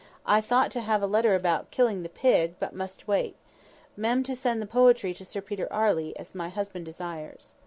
I thowt to have had a letter about killing the pig, but must wait. Mem., to send the poetry to Sir Peter Arley, as my husband desires."